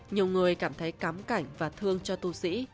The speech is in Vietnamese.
nhiều người cảm thấy cắm cảnh và thương cho tu sĩ